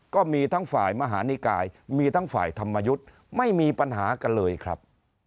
ก็มีทั้งฝ่ายมหานิกายมีทั้งฝ่ายธรรมยุทธ์ไม่มีปัญหากันเลยครับ